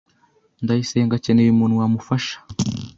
Ndayisenga akeneye umuntu wamufasha.